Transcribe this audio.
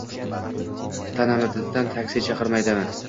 Tanamidan taksi chaqiraymi